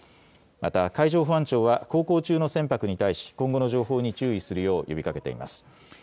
また海上保安庁は航行中の船舶に対し今後の情報に注意するよう呼びかけています。